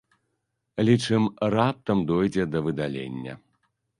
Лічым, раптам дойдзе да выдалення.